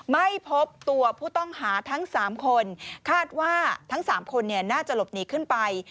ไม่พบตัวผู้ต้องหาทั้ง๓คนคาดว่าทั้ง๓คนน่าจะหลบหนีขึ้นไป